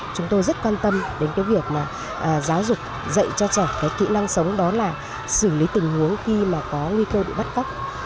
chúng tôi rất quan tâm đến cái việc mà giáo dục dạy cho trẻ cái kỹ năng sống đó là xử lý tình huống khi mà có nguy cơ bị bắt cóc